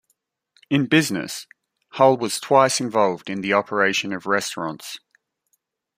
In business, Hull was twice involved in the operation of restaurants.